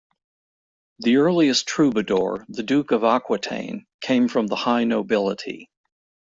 The earliest troubadour, the Duke of Aquitaine, came from the high nobility.